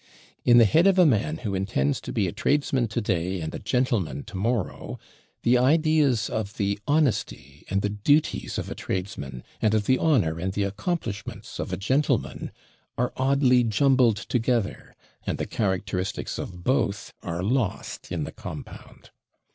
In the head of a man who intends to be a tradesman to day, and a gentleman to morrow, the ideas of the honesty and the duties of a tradesman, and of the honour and the accomplishments of a gentleman, are oddly jumbled together, and the characteristics of both are lost in the compound.